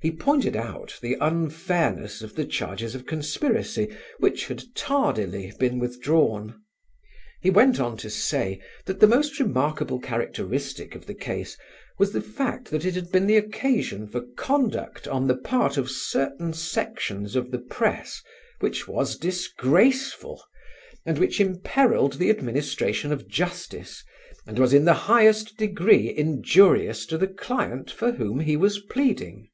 He pointed out the unfairness of the charges of conspiracy which had tardily been withdrawn. He went on to say that the most remarkable characteristic of the case was the fact that it had been the occasion for conduct on the part of certain sections of the press which was disgraceful, and which imperilled the administration of justice, and was in the highest degree injurious to the client for whom he was pleading.